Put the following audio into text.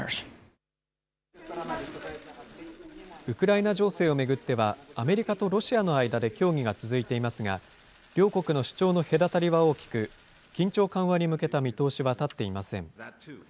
ウクライナ情勢を巡っては、アメリカとロシアの間で協議が続いていますが、両国の主張の隔たりは大きく、緊張緩和に向けた見通しは立っていません。